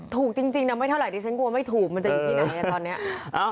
ถูกจริงนำไว้เท่าไรดิฉันกลัวไม่ถูกมันจะยังทีไหนล่ะตอนนี้